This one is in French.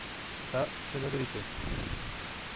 Ça, c’est la vérité.